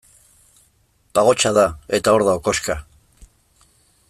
Pagotxa da, eta hor dago koxka.